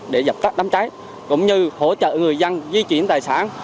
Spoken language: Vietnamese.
để dập tắt đám cháy cũng như hỗ trợ người dân di chuyển tài sản